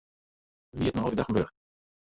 It wie it nei alle gedachten wurdich.